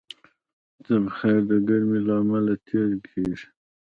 تبخیر د ګرمۍ له امله تېز کېږي.